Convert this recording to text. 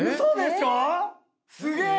すげえ！